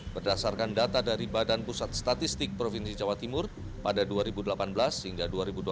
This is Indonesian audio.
berdasarkan data dari badan pusat statistik provinsi jawa timur pada dua ribu delapan belas hingga dua ribu dua puluh